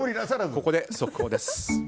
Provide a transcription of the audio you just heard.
ここで速報です。